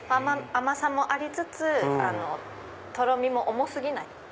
甘さもありつつとろみも重過ぎない。